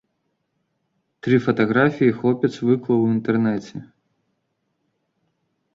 Тры фатаграфіі хлопец выклаў у інтэрнэце.